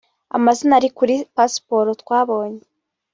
Amazina ari kuri pasiporo twabonye